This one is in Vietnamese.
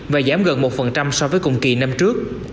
và giảm gần một so với cùng kỳ năm trước